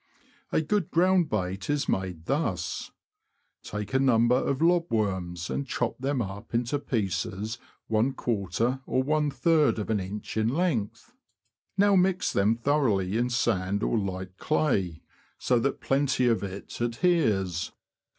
A good ground bait is made thus : Take a number of lobworms, and chop them up into pieces one quarter or one third of an inch in length ; now mix them thoroughly in sand or light clay, so that plenty of it adheres.